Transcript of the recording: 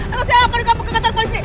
atau saya akan pergi ke kantor polisi